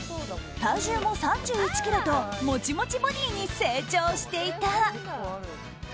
体重も３１ｋｇともちもちボディーに成長していた。